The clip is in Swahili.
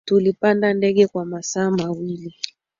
Tulipanda ndege kwa masaa mawili